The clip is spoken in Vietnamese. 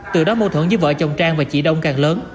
từ đó mâu thuẫn giữa vợ chồng trang và chị đông càng lớn